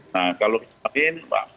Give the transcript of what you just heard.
nah kalau kita lihat